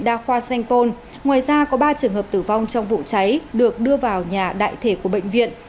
đa khoa sanh pôn ngoài ra có ba trường hợp tử vong trong vụ cháy được đưa vào nhà đại thể của bệnh viện